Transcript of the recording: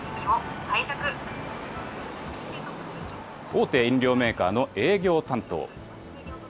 大手飲料メーカーの営業担当。